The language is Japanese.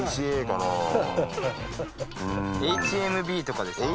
ＨＭＢとかですか？